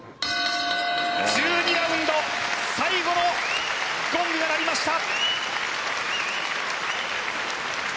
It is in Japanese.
１２ラウンド、最後のゴングが鳴りました。